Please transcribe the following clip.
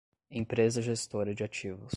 Empresa Gestora de Ativos